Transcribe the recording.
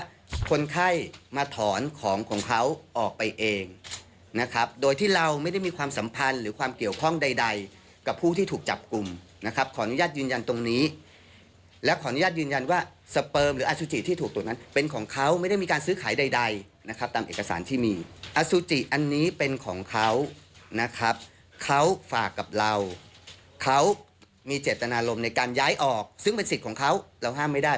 ว่าคนไข้มาถอนของของเขาออกไปเองนะครับโดยที่เราไม่ได้มีความสัมพันธ์หรือความเกี่ยวข้องใดกับผู้ที่ถูกจับกลุ่มนะครับขออนุญาตยืนยันตรงนี้และขออนุญาตยืนยันว่าสเปิร์มหรืออสุจิที่ถูกตรงนั้นเป็นของเขาไม่ได้มีการซื้อขายใดนะครับตามเอกสารที่มีอสุจิอันนี้เป็นของเขานะครับเขาฝากกับเราเขามีเจ